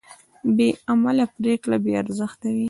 بېعمله پرېکړه بېارزښته وي.